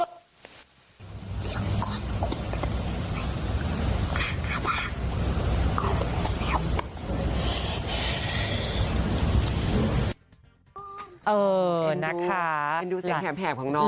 เป็นดูเสียงแห่งของน้อง